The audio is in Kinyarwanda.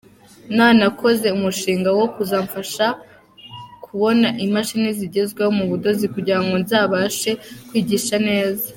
Nanakoze umushinga wo kuzamfasha kubona imashini zigezweho mu budozi kugira ngo nzabashe kwigisha neza.